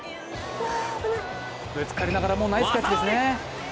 ぶつかりながらもナイスキャッチですね。